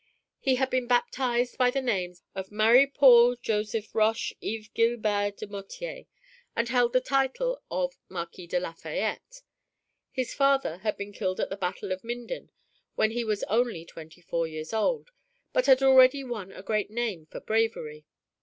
He had been baptized by the names of Marie Paul Joseph Roche Ives Gilbert de Mottier, and held the title of Marquis of Lafayette. His father had been killed at the battle of Minden when he was only twenty four years old, but had already won a great name for bravery.